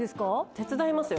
手伝いますよ。